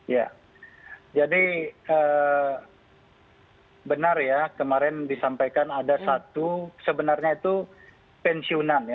ya jadi benar ya kemarin disampaikan ada satu sebenarnya itu pensiunan ya